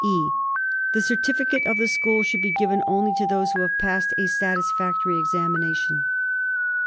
(e) The certificate of the school should be given only to those who have passed a satisfactory examination.